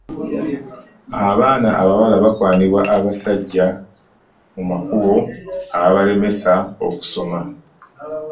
abaana abawala bakwanibwa abasajja mu makubo ababalemesa okusoma